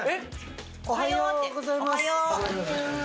おはようございます。